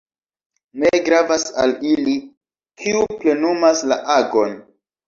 Ne gravas al ili, kiu plenumas la agon.